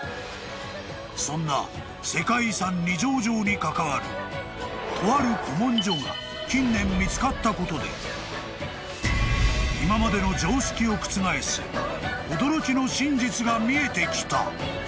［そんな世界遺産二条城に関わるとある古文書が近年見つかったことで今までの常識を覆す驚きの真実が見えてきた］